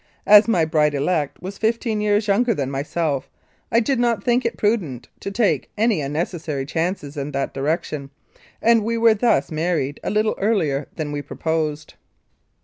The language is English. As my bride elect was fifteen years younger than myself, I did not think it prudent to take any unnecessary chances in that direction, and we were thus married a little earlier than we proposed.